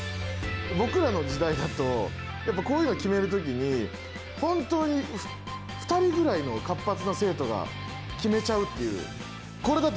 僕らの時代だとやっぱこういうの決める時に本当に２人ぐらいの活発な生徒が決めちゃうっていう。